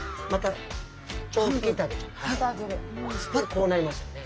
こうなりますよね。